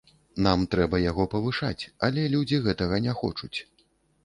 Нам трэба яго павышаць, але людзі гэтага не хочуць.